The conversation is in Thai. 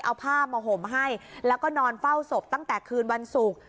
เอาผ้ามาห่มให้แล้วก็นอนเฝ้าศพตั้งแต่คืนวันศุกร์